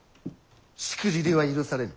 しくじりは許されぬ。